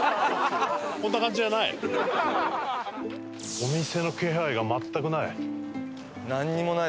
お店の気配が全くない。